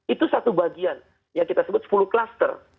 itu satu bagian yang kita sebut sepuluh klaster